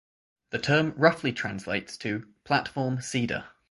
The term roughly translates to "platform cedar".